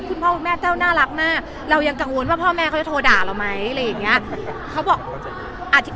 คุณพ่อคุณแม่แต้วน่ารักหน้าเรายังกังวลว่าพ่อแม่เขาจะโทรด่าเราไหม